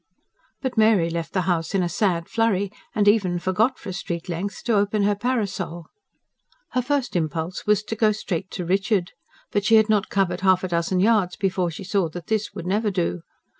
But Mary left the house in a sad flurry; and even forgot for a street length to open her parasol. Her first impulse was to go straight to Richard. But she had not covered half a dozen yards before she saw that this would never do.